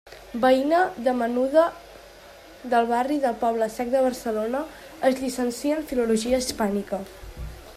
Veïna de menuda del barri del Poble-sec de Barcelona, es llicencia en Filologia Hispànica.